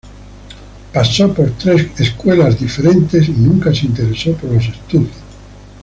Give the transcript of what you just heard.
Pasó por tres "high school" diferentes y nunca se interesó por los estudios.